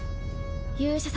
勇者様